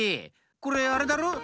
これあれだろ？